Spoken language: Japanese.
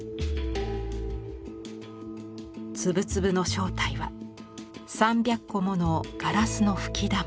粒々の正体は３００個ものガラスの吹玉。